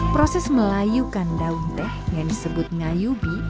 proses melayukan daun teh yang disebut ngayubi